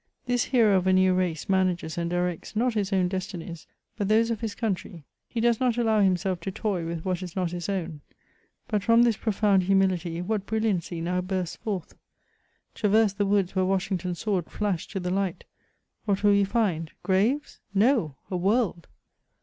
This hero of a new race manages and directs, not his own destinies, hut those of his country ; he does not allow himself to toy with what is not his own ; hut from this profound humility what brilliancy now bursts forth ! Traverse the woods where Washington's sword flashed to the light ; what will you find ? Graves ?— No ! a world